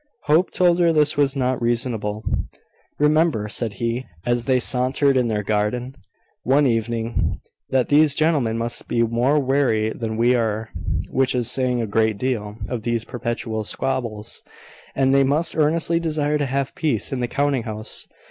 Hope told her this was not reasonable. "Remember," said he, as they sauntered in their garden, one evening, "that these gentlemen must be more weary than we are (which is saying a great deal) of these perpetual squabbles; and they must earnestly desire to have peace in the counting house.